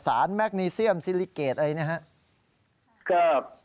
สารแมกนีเซียมซิลิเกรดอะไรอย่างนี้ครับ